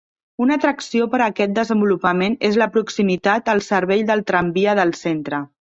Una atracció per a aquest desenvolupament és la proximitat al servei del tramvia del centre.